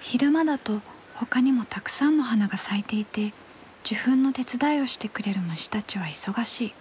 昼間だとほかにもたくさんの花が咲いていて受粉の手伝いをしてくれる虫たちは忙しい。